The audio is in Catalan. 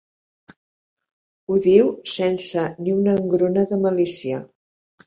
Ho diu sense ni una engruna de malícia.